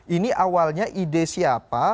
ini awalnya ide siapa